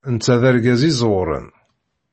Netta d argaz iẓewren.